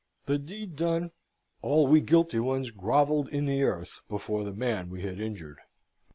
The deed done, all we guilty ones grovelled in the earth, before the man we had injured.